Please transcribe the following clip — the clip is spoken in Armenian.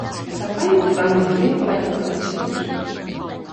Սակայն կան նաև այլ վկայություններ։